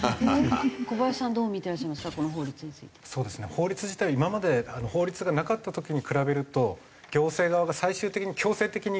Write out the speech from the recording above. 法律自体今まで法律がなかった時に比べると行政側が最終的に強制的に壊せるっていうところは。